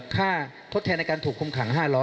ค่าทดแทนในการถูกคุมขัง๕๐๐